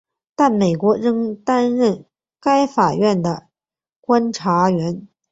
但美国仍担任该法院的观察员。